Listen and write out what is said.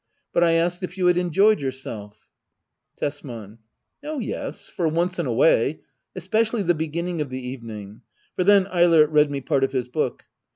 But I asked if you had enjoyed yourself. Tesman. Oh yes, — for once in a way. Especially the beginning of the evening ; for then Eilert read me part of his book.